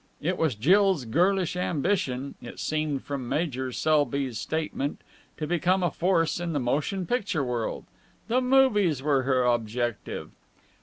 It was Jill's girlish ambition, it seemed from Major Selby's statement, to become a force in the motion picture world. The movies were her objective.